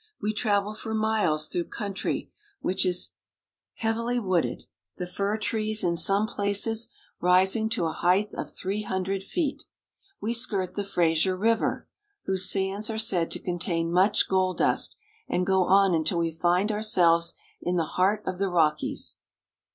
We travel for miles through country which is heavily CARP. N. AM. — 20 , Dry Dock — Esquimalt. 3i8 BRITISH AMERICA. wooded, the fir trees in some places rising to a height of three hundred feet. We skirt the Fraser River, whose sands are said to contain much gold dust, and go on until we find ourselves in the heart of the Rockies.